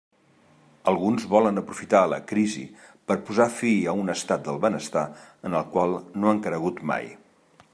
Alguns volen aprofitar la crisi per a posar fi a un estat del benestar en el qual no han cregut mai.